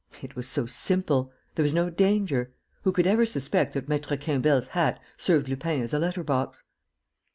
It was so simple! There was no danger. Who could ever suspect that Maître Quimbel's hat served Lupin as a letter box?